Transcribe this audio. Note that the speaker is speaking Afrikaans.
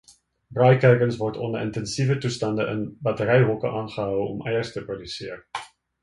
Braaikuikens word onder intensiewe toestande in batteryhokke aangehou om eiers te produseer.